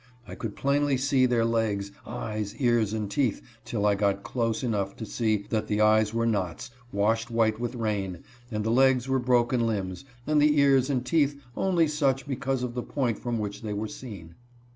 I could plainly see their legs, eyes, ears, and teeth, till I got close 82 HIS BROTHER AND SISTERS. enough to see that the eyes were knots, washed white with rain, and the legs were broken limbs, and the ears and teeth only such because of the point from which they were seen.